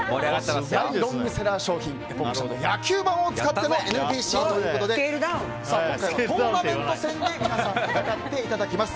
大ロングセラー商品エポック社の野球盤を使ってのＮＢＣということで今回はトーナメント戦で皆さん戦っていただきます。